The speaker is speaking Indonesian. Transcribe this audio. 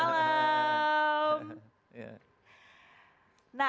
nah satu hal juga